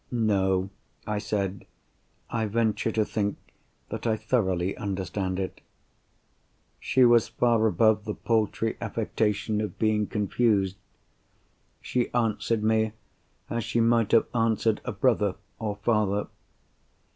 "No," I said. "I venture to think that I thoroughly understand it." She was far above the paltry affectation of being confused. She answered me as she might have answered a brother or a father.